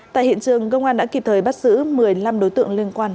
tại hiện trường công an đã kịp thời bắt giữ một mươi năm đối tượng liên quan